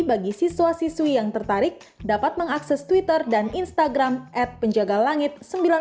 bagi siswa siswi yang tertarik dapat mengakses twitter dan instagram at penjaga langit seribu sembilan ratus enam puluh dua